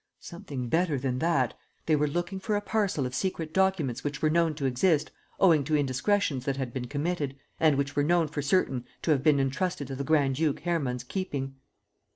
"Something better than that. They were looking for a parcel of secret documents which were known to exist, owing to indiscretions that had been committed, and which were known for certain to have been entrusted to the Grand duke Hermann's keeping."